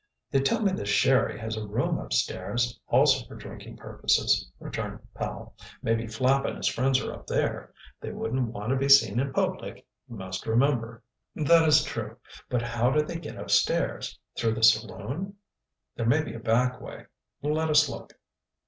"They tell me this Sherry has a room upstairs, also for drinking purposes," returned Powell. "Maybe Flapp and his friends are up there. They wouldn't want to be seen in public, you must remember." "That is true. But how do they get upstairs through the saloon?" "There may be a back way. Let us look."